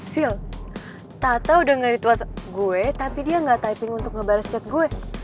sil tata udah gak dituas gue tapi dia gak typing untuk ngebaris chat gue